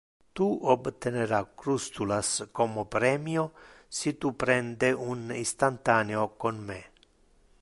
Tu obtenera crustulas como premio si tu prende un instantaneo con me.